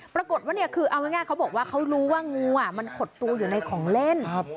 ปรากฏว่าเนี่ยคือเอาง่ายเขาบอกว่าเขารู้ว่างูมันขดตัวอยู่ในของเล่น